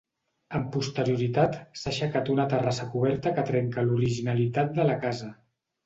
Amb posterioritat s'ha aixecat una terrassa coberta que trenca l'originalitat de la casa.